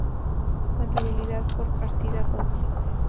Contabilidad por partida doble.